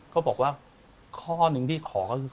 เขาบอกว่าข้อหนึ่งที่ขอก็คือ